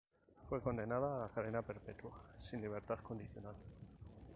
Fue condenada a cadena perpetua sin libertad condicional.